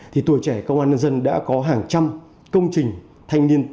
thì tuổi trẻ công an nhân dân đã có hàng trăm công trình thanh niên